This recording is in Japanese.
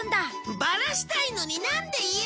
バラしたいのになんで言えないの！？